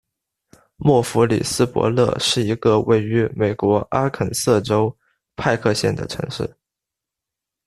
默弗里斯伯勒是一个位于美国阿肯色州派克县的城市。